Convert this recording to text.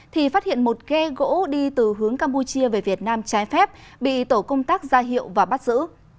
thì phát hiện một ghe gỗ đi từ hướng campuchia về việt nam trái phép bị tổ công tác ra hiệu và bắt giữ